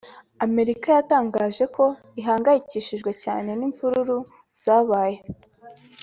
Amerika yatangaje ko ihangayikishijwe cyane n’imvururu zabaye